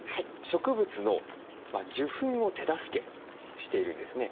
植物の受粉を手助けもしているんですね。